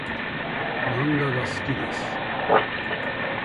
漫画が好きです。